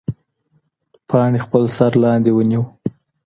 پاڼې خپل سر لاندې ونیوه.